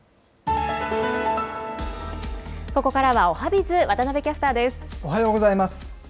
ここからはおはＢｉｚ、渡部おはようございます。